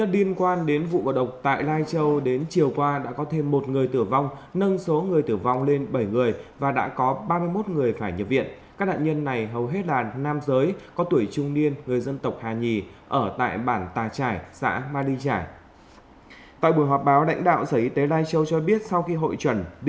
đây là một hoạt động có ý nghĩa thiết thực